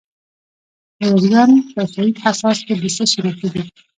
د ارزګان په شهید حساس کې د څه شي نښې دي؟